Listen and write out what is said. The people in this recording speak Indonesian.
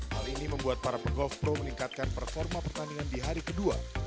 hal ini membuat para pegolf pro meningkatkan performa pertandingan di hari kedua